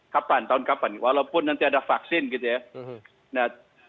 kapan tahun kapan walaupun nanti ada vaksin gitu ya